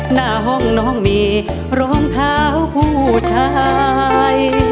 หน้าห้องน้องมีรองเท้าผู้ชาย